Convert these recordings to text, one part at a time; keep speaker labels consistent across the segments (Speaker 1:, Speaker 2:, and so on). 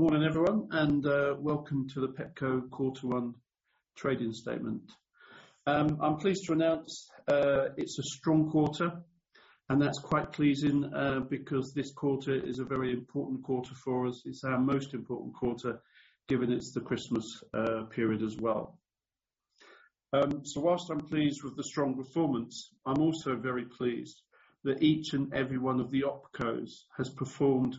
Speaker 1: Good morning, everyone, and welcome to the Pepco Quarter One Trading Statement. I'm pleased to announce it's a strong quarter, and that's quite pleasing because this quarter is a very important quarter for us. It's our most important quarter, given it's the Christmas period as well. Whilst I'm pleased with the strong performance, I'm also very pleased that each and every one of the opcos has performed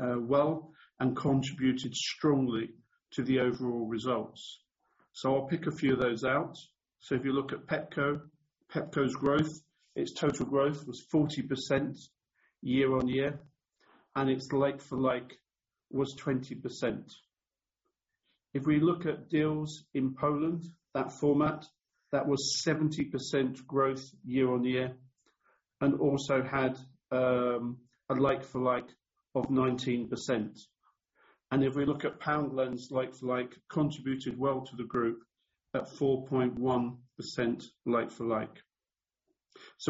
Speaker 1: well and contributed strongly to the overall results. I'll pick a few of those out. If you look at Pepco's growth, its total growth was 40% year-on-year, and its like-for-like was 20%. If we look at Dealz in Poland, that format, that was 70% growth year-on-year and also had a like-for-like of 19%. If we look at Poundland's like-for-like, contributed well to the group at 4.1% like-for-like.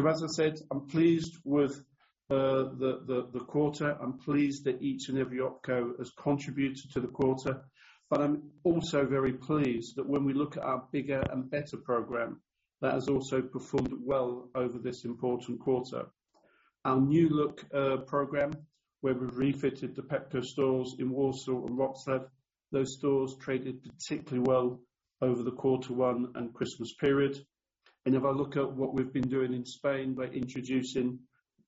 Speaker 1: As I said, I'm pleased with the quarter. I'm pleased that each and every opco has contributed to the quarter. I'm also very pleased that when we look at our Bigger and Better program, that has also performed well over this important quarter. Our New Look program, where we've refitted the Pepco stores in Warsaw and Wroclaw, those stores traded particularly well over the quarter one and Christmas period. If I look at what we've been doing in Spain by introducing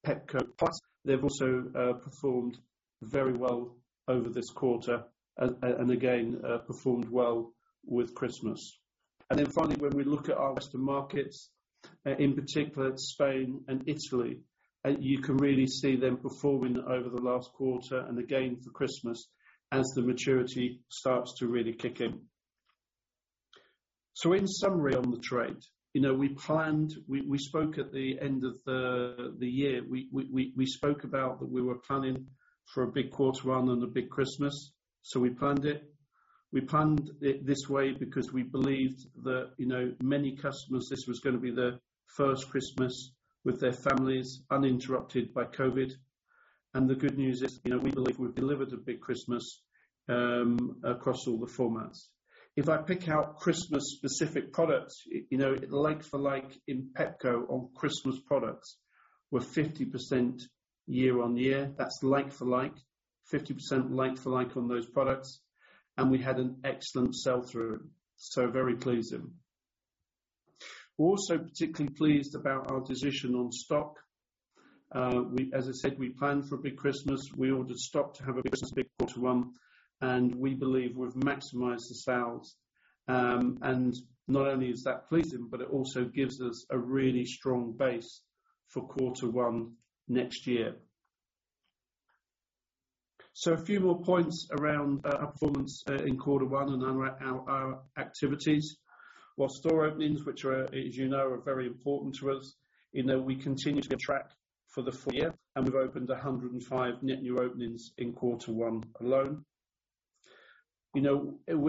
Speaker 1: Pepco Plus, they've also performed very well over this quarter and again, performed well with Christmas. Finally, when we look at our Western markets, in particular Spain and Italy, you can really see them performing over the last quarter and again for Christmas as the maturity starts to really kick in. In summary on the trade, we spoke at the end of the year, we spoke about that we were planning for a big quarter run and a big Christmas, so we planned it. We planned it this way because we believed that, many customers, this was going to be their first Christmas with their families, uninterrupted by COVID. The good news is, we believe we've delivered a big Christmas across all the formats. If I pick out Christmas specific products, like-for-like in Pepco on Christmas products, were 50% year-on-year. That's like-for-like, 50% like-for-like on those products. We had an excellent sell-through. Very pleasing. We're also particularly pleased about our decision on stock. As I said, we planned for a big Christmas. We ordered stock to have a big Christmas, big quarter one, and we believe we've maximized the sales. Not only is that pleasing, but it also gives us a really strong base for quarter one next year. A few more points around our performance in quarter one and around our activities. While store openings, which as you know, are very important to us, we continue to track for the full year, and we've opened 105 net new openings in quarter one alone. We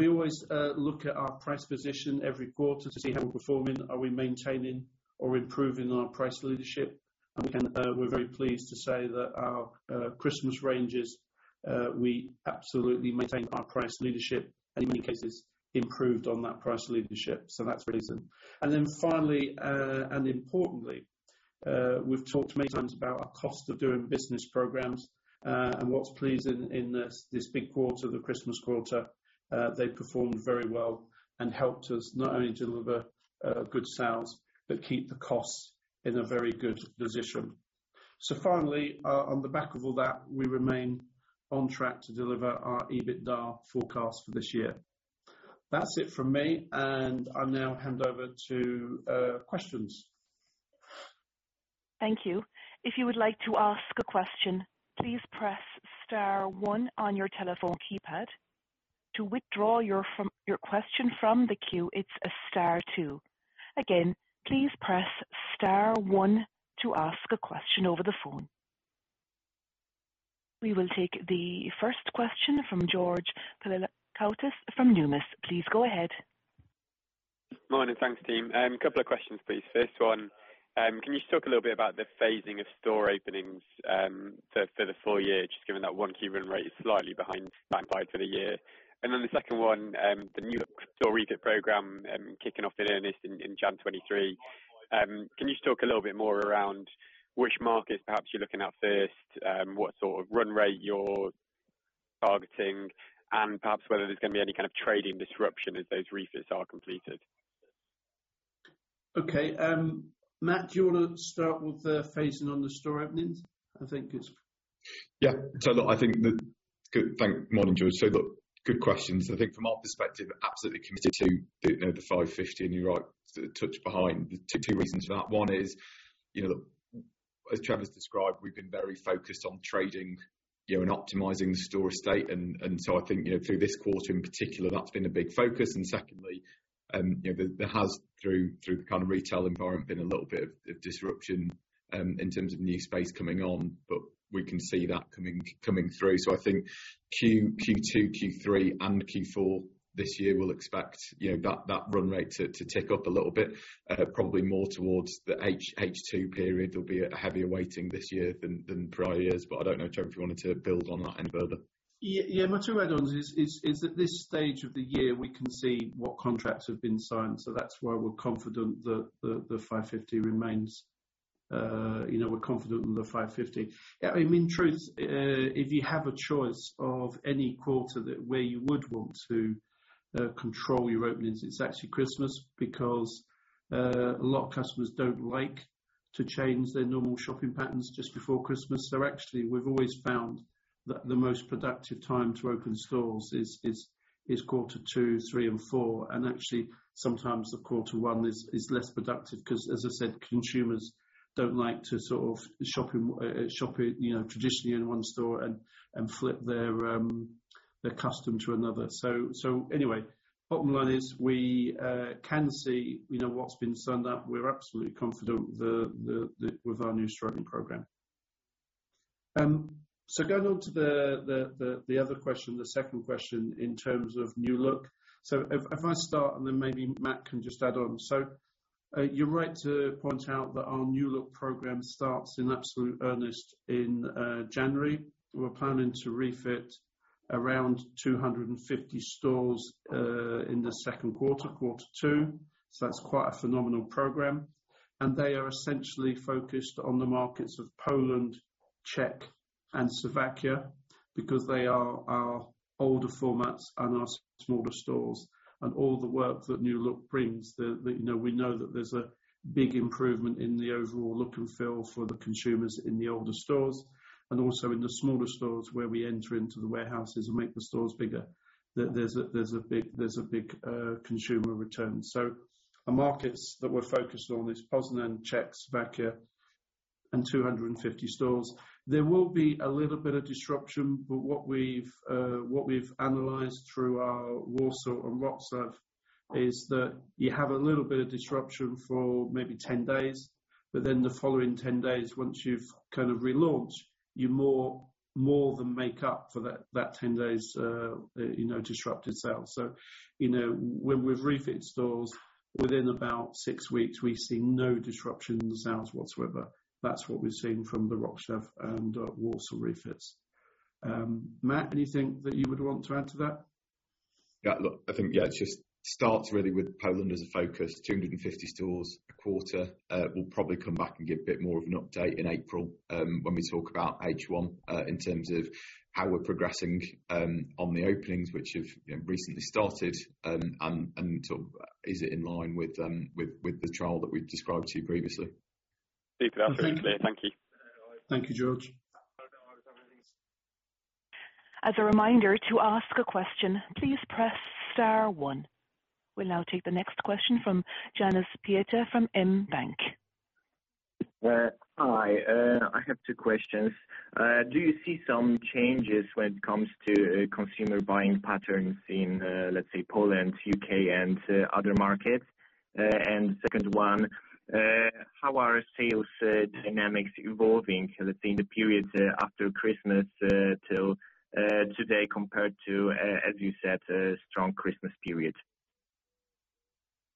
Speaker 1: always look at our price position every quarter to see how we're performing. Are we maintaining or improving our price leadership? We're very pleased to say that our Christmas ranges, we absolutely maintain our price leadership, and in many cases, improved on that price leadership. That's pleasing. Finally, and importantly, we've talked many times about our cost of doing business programs. What's pleasing in this big quarter, the Christmas quarter, they performed very well and helped us not only deliver good sales, but keep the costs in a very good position. Finally, on the back of all that, we remain on track to deliver our EBITDA forecast for this year. That's it from me, and I now hand over to questions.
Speaker 2: Thank you. If you would like to ask a question, please press star one on your telephone keypad. To withdraw your question from the queue, it's star two. Again, please press star one to ask a question over the phone. We will take the first question from George Pelakotas from Numis. Please go ahead.
Speaker 3: Morning. Thanks, team. A couple of questions, please. First one, can you just talk a little bit about the phasing of store openings, for the full year, just given that one key run rate is slightly behind for the year? The second one, the new store refit program kicking off in earnest in January 2023. Can you just talk a little bit more around which markets perhaps you're looking at first, what sort of run rate you're targeting, and perhaps whether there's going to be any kind of trading disruption as those refits are completed?
Speaker 1: Okay. Mat, do you want to start with the phasing on the store openings? I think it's
Speaker 4: Yeah. Morning, George. Look, good questions. I think from our perspective, absolutely committed to the 550 and you're right, touch behind. Two reasons for that. One is, as Trevor's described, we've been very focused on trading and optimizing the store estate, and so I think through this quarter in particular, that's been a big focus. Secondly, there has, through the kind of retail environment, been a little bit of disruption in terms of new space coming on, but we can see that coming through. I think Q2, Q3, and Q4 this year, we'll expect that run rate to tick up a little bit, probably more towards the H2 period. There'll be a heavier weighting this year than prior years. I don't know, Trevor, if you wanted to build on that any further.
Speaker 1: Yeah. My two add-ons is at this stage of the year, we can see what contracts have been signed, so that's why we're confident that the 550 remains. We're confident in the 550. In truth, if you have a choice of any quarter where you would want to control your openings, it's actually Christmas, because a lot of customers don't like to change their normal shopping patterns just before Christmas. Actually, we've always found that the most productive time to open stores is quarter two, three, and four. Actually, sometimes the quarter one is less productive because, as I said, consumers don't like to traditionally in one store and flip their custom to another. Anyway, bottom line is we can see what's been signed up. We're absolutely confident with our new store opening program. Going on to the other question, the second question in terms of New Look. If I start, and then maybe Matt can just add on. You're right to point out that our New Look program starts in absolute earnest in January. We're planning to refit around 250 stores in the second quarter two, so that's quite a phenomenal program. They are essentially focused on the markets of Poland, Czech, and Slovakia because they are our older formats and our smaller stores. All the work that New Look brings, we know that there's a big improvement in the overall look and feel for the consumers in the older stores and also in the smaller stores where we enter into the warehouses and make the stores bigger. There's a big consumer return. Our markets that we're focused on is Poznań, Czech, Slovakia, and 250 stores. There will be a little bit of disruption, but what we've analyzed through our Warsaw and Wrocław is that you have a little bit of disruption for maybe 10 days, but then the following 10 days, once you've kind of relaunched, you more than make up for that 10 days disrupted sales. When we've refit stores, within about six weeks, we see no disruption in the sales whatsoever. That's what we've seen from the Wrocław and Warsaw refits. Matt, anything that you would want to add to that?
Speaker 4: It just starts really with Poland as a focus, 250 stores a quarter. We'll probably come back and give a bit more of an update in April when we talk about H1 in terms of how we're progressing on the openings, which have recently started and is it in line with the trial that we've described to you previously.
Speaker 3: Superb. That's very clear. Thank you.
Speaker 1: Thank you, George.
Speaker 2: As a reminder, to ask a question, please press star one. We'll now take the next question from Janusz Pięta from mBank.
Speaker 5: Hi. I have two questions. Do you see some changes when it comes to consumer buying patterns in, let's say, Poland, U.K., and other markets? Second one, how are sales dynamics evolving, let's say, in the periods after Christmas till today compared to, as you said, a strong Christmas period?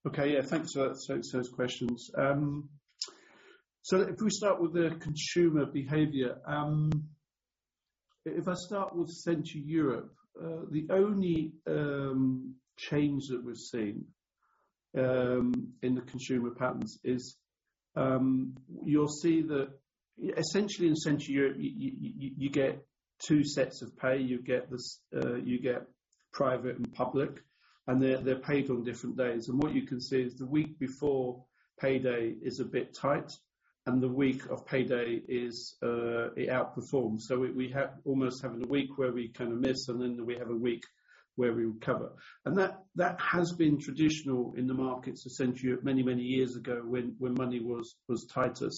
Speaker 1: Okay. Yeah, thanks for those questions. If we start with the consumer behavior, if I start with Central Europe, the only change that we've seen in the consumer patterns is, you'll see that essentially in Central Europe, you get two sets of pay. You get private and public, and they're paid on different days. What you can see is the week before payday is a bit tight, and the week of payday it outperforms. We almost having a week where we kind of miss, and then we have a week where we recover. That has been traditional in the markets of Central Europe many, many years ago when money was tighter.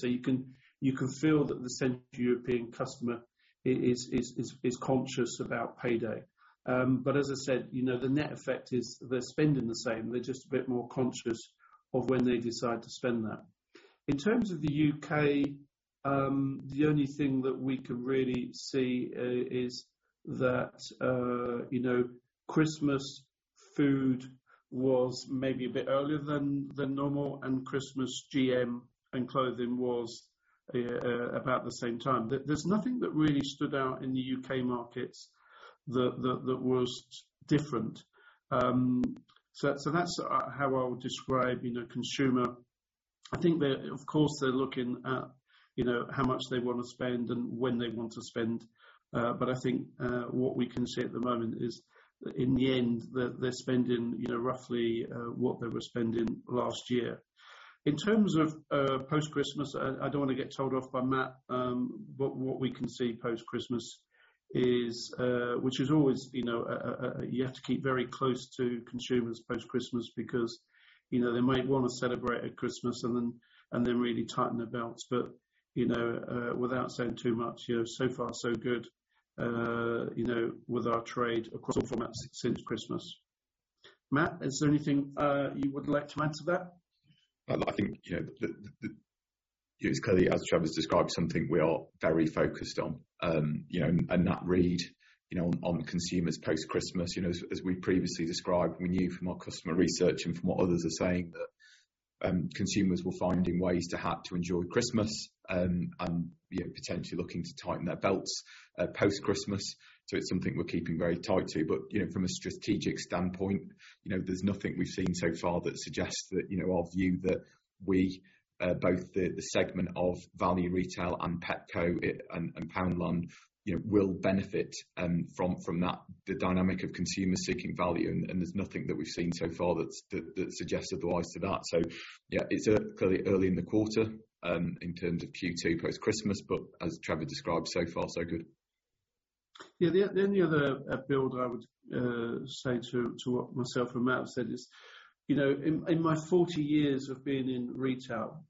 Speaker 1: You can feel that the Central European customer is conscious about payday. As I said, the net effect is they're spending the same, they're just a bit more conscious of when they decide to spend that. In terms of the U.K., the only thing that we could really see is that Christmas food was maybe a bit earlier than normal, and Christmas GM and clothing was about the same time. There's nothing that really stood out in the U.K. markets that was different. That's how I would describe consumer. I think that, of course, they're looking at how much they want to spend and when they want to spend. I think what we can say at the moment is, in the end, they're spending roughly what they were spending last year. In terms of post-Christmas, I don't want to get told off by Mat, but what we can see post-Christmas is, which is always you have to keep very close to consumers post-Christmas because they might want to celebrate at Christmas and then really tighten their belts. Without saying too much, so far so good with our trade across all formats since Christmas. Mat, is there anything you would like to add to that?
Speaker 4: I think it's clearly, as Trevor's described, something we are very focused on. That read on consumers post-Christmas, as we previously described, we knew from our customer research and from what others are saying that consumers were finding ways to have to enjoy Christmas and potentially looking to tighten their belts post-Christmas. It's something we're keeping very tight to. From a strategic standpoint, there's nothing we've seen so far that suggests that our view that we, both the segment of Value Retail and Pepco and Poundland, will benefit from the dynamic of consumers seeking value. There's nothing that we've seen so far that suggests otherwise to that. Yeah, it's early in the quarter in terms of Q2 post-Christmas, but as Trevor described, so far, so good.
Speaker 1: Yeah. The only other build I would say to what myself and Mat have said is, in my 40 years of being in retail,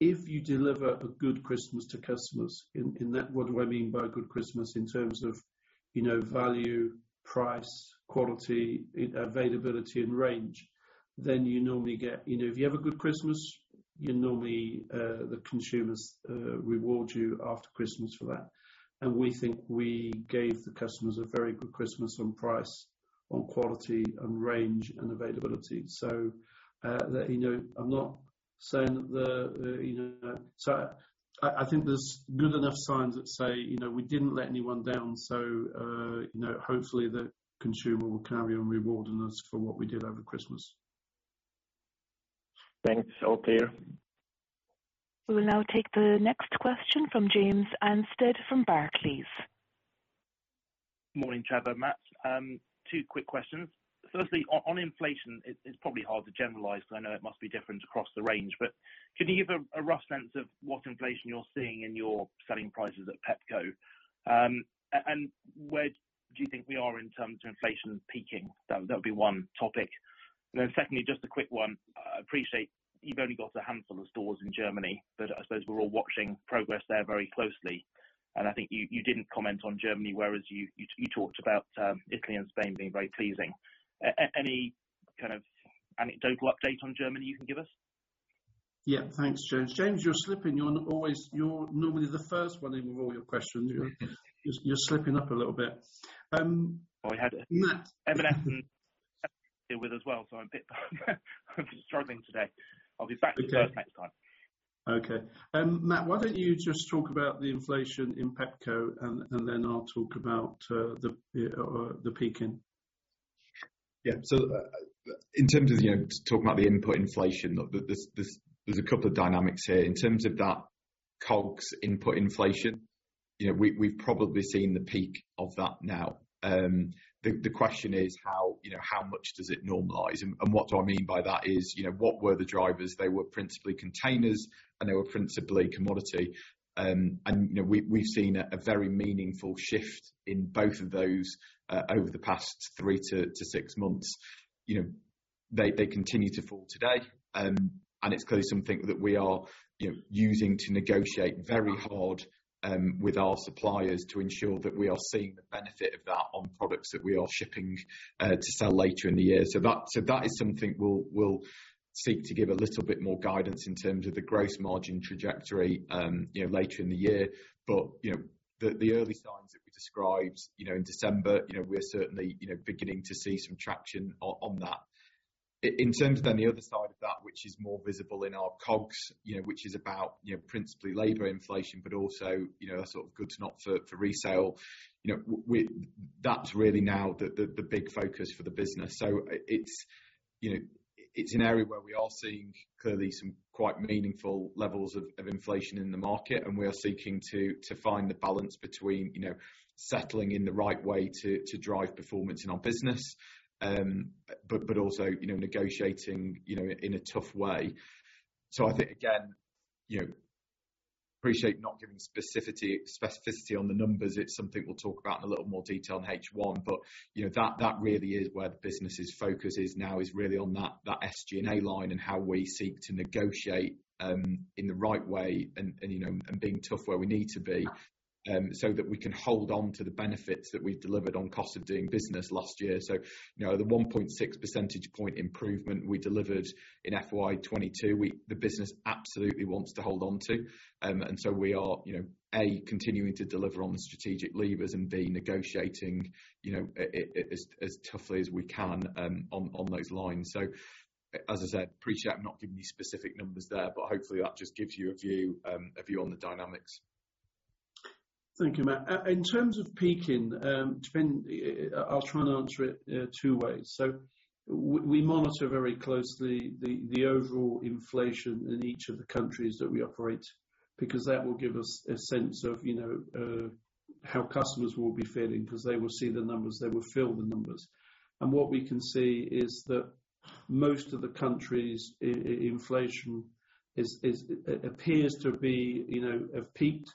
Speaker 1: if you deliver a good Christmas to customers, in that what do I mean by a good Christmas in terms of value, price, quality, availability, and range, then you normally get if you have a good Christmas, normally the consumers reward you after Christmas for that. We think we gave the customers a very good Christmas on price, on quality, on range and availability. I think there's good enough signs that say, we didn't let anyone down, so hopefully the consumer can carry on rewarding us for what we did over Christmas.
Speaker 5: Thanks. All clear.
Speaker 2: We will now take the next question from James Anstead from Barclays.
Speaker 6: Morning, Trevor, Mat. Two quick questions. Firstly, on inflation, it's probably hard to generalize because I know it must be different across the range, but can you give a rough sense of what inflation you're seeing in your selling prices at Pepco? Where do you think we are in terms of inflation peaking? That would be one topic. Secondly, just a quick one. I appreciate you've only got a handful of stores in Germany, but I suppose we're all watching progress there very closely. I think you didn't comment on Germany, whereas you talked about Italy and Spain being very pleasing. Any kind of anecdotal update on Germany you can give us?
Speaker 1: Thanks, James. James, you're slipping. You're normally the first one in with all your questions. You're slipping up a little bit. Mat.
Speaker 6: We had Evan as deal with as well, so I'm struggling today. I'll be back to first next time.
Speaker 1: Mat, why don't you just talk about the inflation in Pepco, and then I'll talk about the peaking.
Speaker 4: Yeah. In terms of talking about the input inflation, there's a couple of dynamics here. In terms of that COGS input inflation, we've probably seen the peak of that now. The question is, how much does it normalize? What do I mean by that is, what were the drivers? They were principally containers, and they were principally commodity. We've seen a very meaningful shift in both of those over the past 3-6 months. They continue to fall today. It's clearly something that we are using to negotiate very hard with our suppliers to ensure that we are seeing the benefit of that on products that we are shipping to sell later in the year. That is something we'll seek to give a little bit more guidance in terms of the gross margin trajectory later in the year. The early signs that we described in December, we're certainly beginning to see some traction on that. In terms of the other side of that, which is more visible in our COGS, which is about principally labor inflation, but also sort of goods not for resale, that's really now the big focus for the business. It's an area where we are seeing clearly some quite meaningful levels of inflation in the market. We are seeking to find the balance between settling in the right way to drive performance in our business, but also negotiating in a tough way. I think, again, appreciate not giving specificity on the numbers. It's something we'll talk about in a little more detail in H1. That really is where the business' focus is now is really on that SG&A line and how we seek to negotiate in the right way and being tough where we need to be, so that we can hold on to the benefits that we delivered on cost of doing business last year. The 1.6 percentage point improvement we delivered in FY 2022, the business absolutely wants to hold on to. We are, A, continuing to deliver on the strategic levers, and B, negotiating as toughly as we can on those lines. As I said, appreciate not giving you specific numbers there, but hopefully that just gives you a view on the dynamics.
Speaker 1: Thank you, Mat. In terms of peaking, I'll try and answer it two ways. We monitor very closely the overall inflation in each of the countries that we operate because that will give us a sense of how customers will be feeling because they will see the numbers, they will feel the numbers. What we can see is that most of the countries' inflation appears to have peaked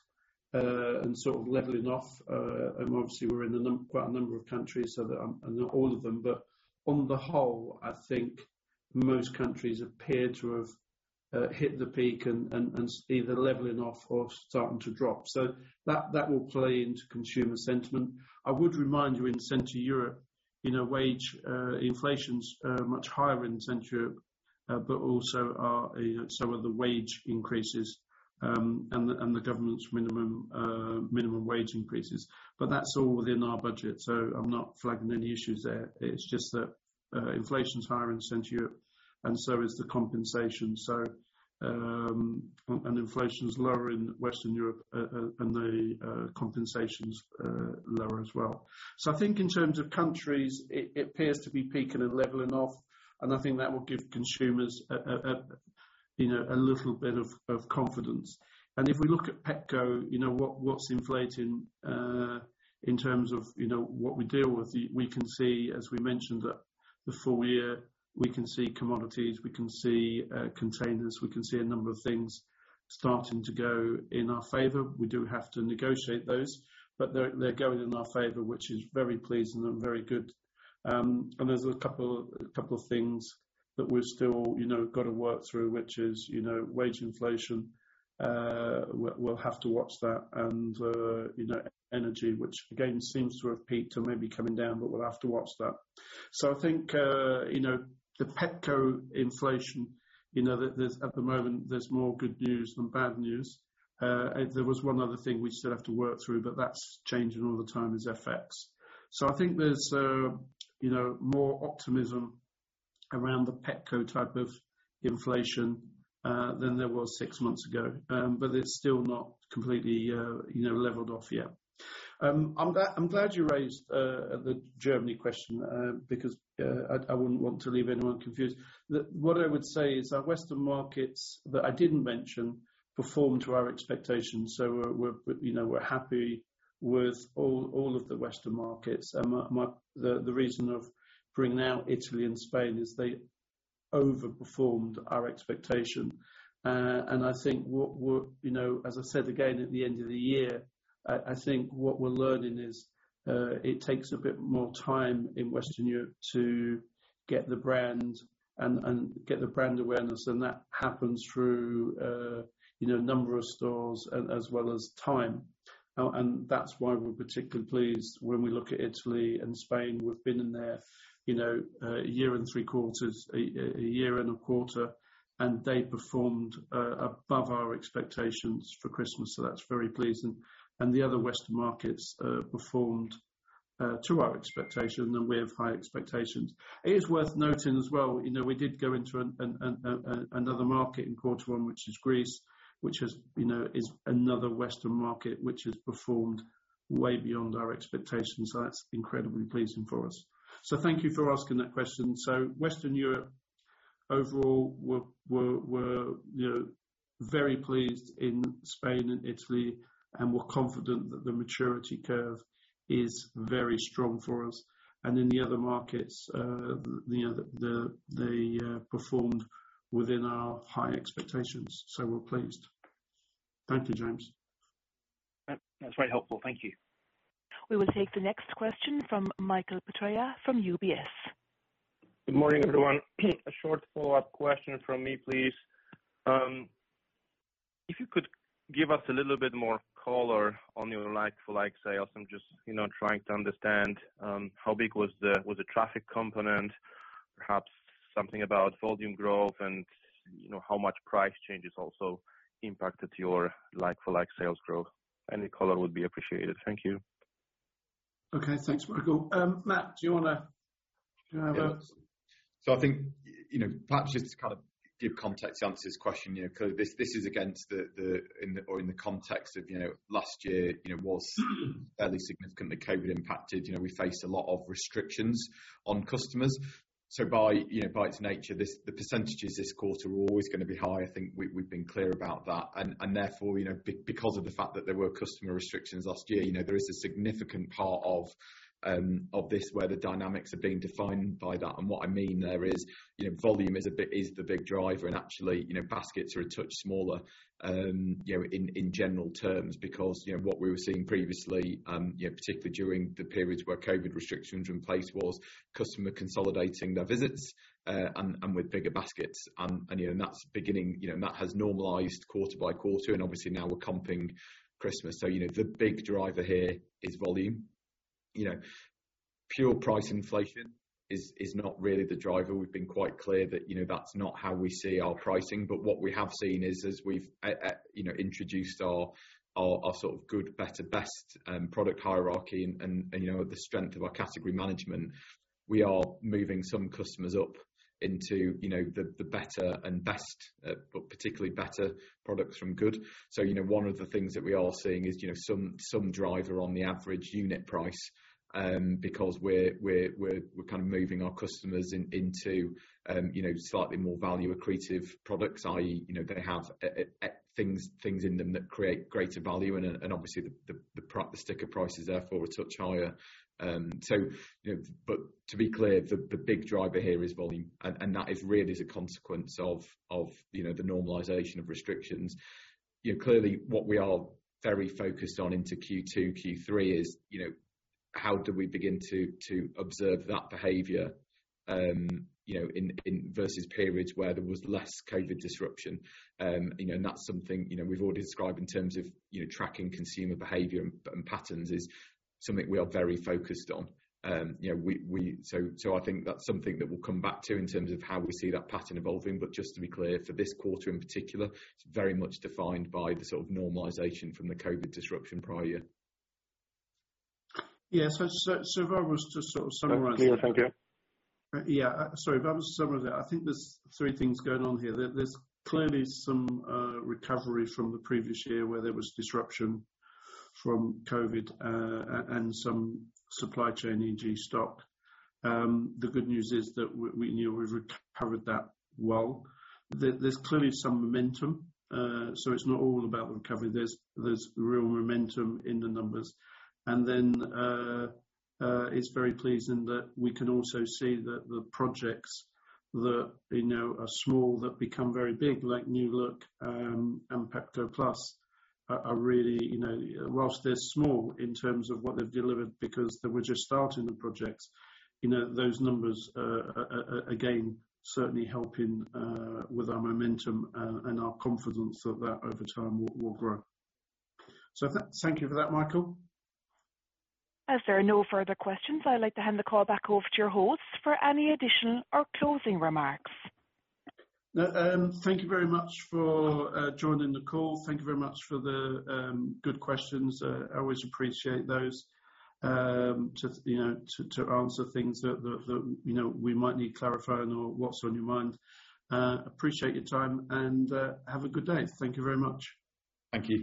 Speaker 1: and sort of leveling off. Obviously we're in quite a number of countries, so not all of them, but on the whole, I think most countries appear to have hit the peak and either leveling off or starting to drop. That will play into consumer sentiment. I would remind you in Central Europe, wage inflation's much higher in Central Europe. Also some of the wage increases and the government's minimum wage increases. That's all within our budget, so I'm not flagging any issues there. It's just that inflation's higher in Central Europe and so is the compensation. Inflation is lower in Western Europe, and the compensation's lower as well. I think in terms of countries, it appears to be peaking and leveling off, and I think that will give consumers a little bit of confidence. If we look at Pepco, what's inflating in terms of what we deal with, we can see, as we mentioned at the full year, we can see commodities, we can see containers, we can see a number of things starting to go in our favor. We do have to negotiate those, but they're going in our favor, which is very pleasing and very good. There's a couple of things that we've still got to work through, which is wage inflation. We'll have to watch that, and energy, which again, seems to have peaked or may be coming down, but we'll have to watch that. I think, the Pepco inflation, at the moment, there's more good news than bad news. There was one other thing we still have to work through, but that's changing all the time, is FX. I think there's more optimism around the Pepco type of inflation than there was six months ago. It's still not completely leveled off yet. I'm glad you raised the Germany question, because I wouldn't want to leave anyone confused. What I would say is our Western markets that I didn't mention performed to our expectations. We're happy with all of the Western markets. The reason of bringing out Italy and Spain is they overperformed our expectation. I think what we're, as I said again at the end of the year, I think what we're learning is it takes a bit more time in Western Europe to get the brand and get the brand awareness, and that happens through a number of stores as well as time. That's why we're particularly pleased when we look at Italy and Spain. We've been in there a year and three quarters, a year and a quarter, and they performed above our expectations for Christmas, so that's very pleasing. The other Western markets performed to our expectation, and we have high expectations. It is worth noting as well we did go into another market in quarter one, which is Greece, which is another Western market which has performed way beyond our expectations. That's incredibly pleasing for us. Thank you for asking that question. Western Europe, overall, we're very pleased in Spain and Italy, and we're confident that the maturity curve is very strong for us. In the other markets, they performed within our high expectations, so we're pleased. Thank you, James.
Speaker 6: That's very helpful. Thank you.
Speaker 2: We will take the next question from Michael Patoia from UBS.
Speaker 7: Good morning, everyone. A short follow-up question from me, please. If you could give us a little bit more color on your like-for-like sales. I'm just trying to understand how big was the traffic component, perhaps something about volume growth and how much price changes also impacted your like-for-like sales growth. Any color would be appreciated. Thank you.
Speaker 1: Okay. Thanks, Michael. Mat, do you want to have a
Speaker 4: I think perhaps just to kind of give context to answer this question, clearly this is against or in the context of last year was fairly significantly COVID-impacted. We faced a lot of restrictions on customers. By its nature, the percentages this quarter were always going to be high. I think we've been clear about that. Therefore, because of the fact that there were customer restrictions last year, there is a significant part of this where the dynamics are being defined by that. What I mean there is volume is the big driver, and actually, baskets are a touch smaller in general terms because what we were seeing previously, particularly during the periods where COVID restrictions were in place, was customer consolidating their visits and with bigger baskets. That has normalized quarter by quarter, and obviously now we're comping Christmas. The big driver here is volume. Pure price inflation is not really the driver. We've been quite clear that that's not how we see our pricing. What we have seen is as we've introduced our sort of good, better, best product hierarchy and the strength of our category management, we are moving some customers up into the better and best, but particularly better products from good. One of the things that we are seeing is some driver on the average unit price, because we're kind of moving our customers into slightly more value accretive products, i.e., they have things in them that create greater value and obviously the sticker price is therefore a touch higher. To be clear, the big driver here is volume, and that is really as a consequence of the normalization of restrictions. Clearly, what we are very focused on into Q2, Q3 is how do we begin to observe that behavior versus periods where there was less COVID disruption. That's something we've already described in terms of tracking consumer behavior and patterns is something we are very focused on. I think that's something that we'll come back to in terms of how we see that pattern evolving. Just to be clear, for this quarter in particular, it's very much defined by the sort of normalization from the COVID disruption prior year.
Speaker 1: Yeah. If I was to sort of summarize
Speaker 7: That's clear. Thank you.
Speaker 1: Sorry, if I was to summarize that, I think there's three things going on here. There's clearly some recovery from the previous year where there was disruption from COVID and some supply chain e.g. stock. The good news is that we knew we recovered that well. There's clearly some momentum, it's not all about the recovery. There's real momentum in the numbers. It's very pleasing that we can also see that the projects that are small that become very big, like New Look and Pepco Plus are really, whilst they're small in terms of what they've delivered because they were just starting the projects, those numbers are again, certainly helping with our momentum and our confidence that that over time will grow. Thank you for that, Michael.
Speaker 2: As there are no further questions, I'd like to hand the call back over to your host for any additional or closing remarks.
Speaker 1: Thank you very much for joining the call. Thank you very much for the good questions. I always appreciate those to answer things that we might need clarifying or what's on your mind. Appreciate your time, have a good day. Thank you very much.
Speaker 4: Thank you.